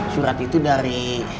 surat itu dari